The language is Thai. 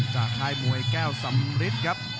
ค่ายมวยแก้วสำริทครับ